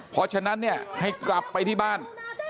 เพราะฉะนั้นเนี่ยให้กลับไปที่บ้าน